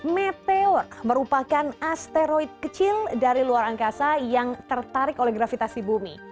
meteor merupakan asteroid kecil dari luar angkasa yang tertarik oleh gravitasi bumi